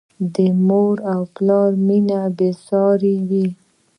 د مور او پلار مینه بې سارې وي.